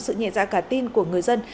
sự nhẹ dạ cả tin của người dân